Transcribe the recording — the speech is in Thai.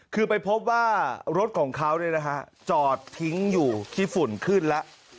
คือไปพบว่ารถของเขาจอดทิ้งอยู่ที่ฝุ่นขึ้นแล้ว